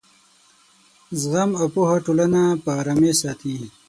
زغم او پوهه ټولنه په ارامۍ ساتي.